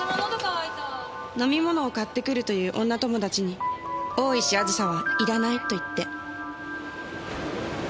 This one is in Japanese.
飲み物を買ってくると言う女友達に大石あずさは要らないと言って。